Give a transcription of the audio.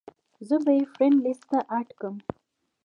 زۀ به ئې فرېنډ لسټ ته اېډ کړم -